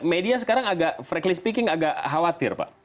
media sekarang agak franky speaking agak khawatir pak